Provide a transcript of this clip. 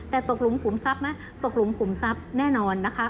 แต่ตกหลุมขุมทรัพย์นะตกหลุมขุมทรัพย์แน่นอนนะคะ